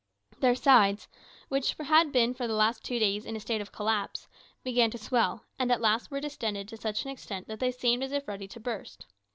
Their sides, which had been for the last two days in a state of collapse, began to swell, and at last were distended to such an extent that they seemed as if ready to burst.